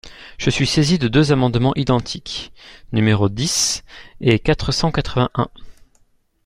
Je suis saisie de deux amendements identiques, numéros dix et quatre cent quatre-vingt-un.